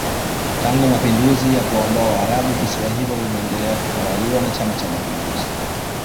Tangu Mapinduzi ya kuwaondoa waarabu visiwa hivyo vimeendelea kutawaliwa na chama cha mapinduzi